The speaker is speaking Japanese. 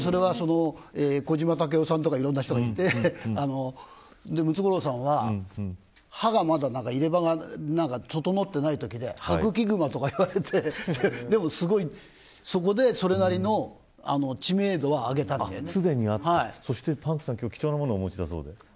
小島さんとかいろんな人がいてムツゴロウさんは歯が、まだ入れ歯が整ってないときで歯茎グマとか言われてでも、すごいそこでそれなりの知名度をそしてパンクさん今日は貴重なものをお持ちだそうで。